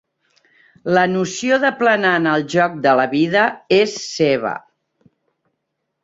La noció de planar en el joc de la vida és seva.